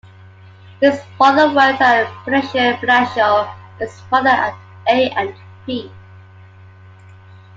His father worked at Prudential Financial and his mother at A and P.